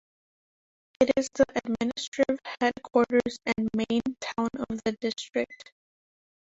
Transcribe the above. It is the administrative headquarters and main town of the district.